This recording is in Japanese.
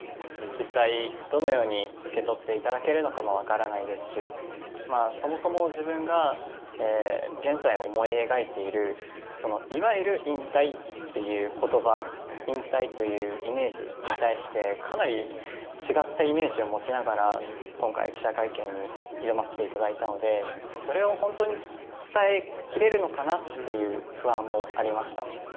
実際、どのように受け取っていただけるのかも分からないですしそもそも自分が現在、思い描いているいわゆる引退っていう言葉引退というイメージに対してかなり違ったイメージを持ちながら今回、記者会見に挑ませていただいたのでそれを本当に伝えきれるのかなっていう不安もありました。